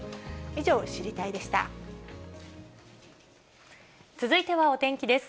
以上、続いてはお天気です。